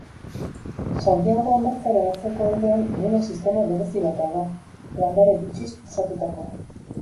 Santiago hondartzaren atzeko aldean duna sistema berezi bat dago, landare bitxiz osatutakoa.